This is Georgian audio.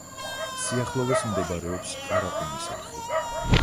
სიახლოვეს მდებარეობს ყარაყუმის არხი.